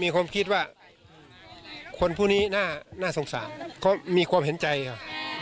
คนผู้นี้น่าสงสารเขามีความเห็นใจค่ะ